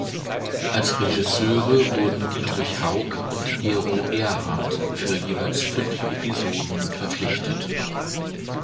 Als Regisseure wurden Dietrich Haugk und Gero Erhardt für jeweils fünf Episoden verpflichtet.